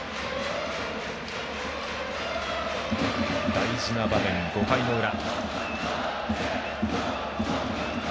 大事な場面、５回の裏。